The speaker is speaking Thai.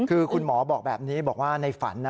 คือคุณหมอบอกแบบนี้บอกว่าในฝันนะ